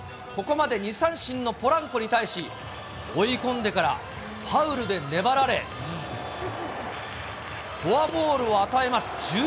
ここまで２三振のポランコに対し、追い込んでからファウルで粘られ、フォアボールを与えます。